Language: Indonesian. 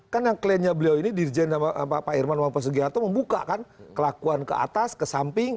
kan yang klaimnya beliau ini dirjen pak irman bapak sugiharto membuka kan kelakuan ke atas ke samping